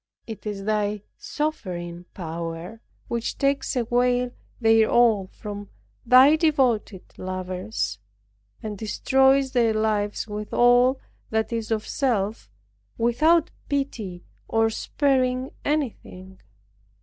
It is Thy sovereign power which takes away their all from Thy devoted lovers; and destroys their lives with all that is of self without pity or sparing anything.